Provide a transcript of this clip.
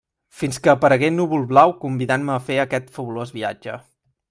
Fins que aparegué Núvol-Blau convidant-me a fer aquest fabulós viatge.